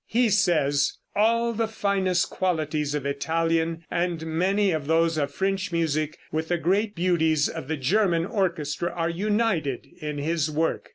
He says: "All the finest qualities of Italian, and many of those of French music, with the great beauties of the German orchestra, are united in his work."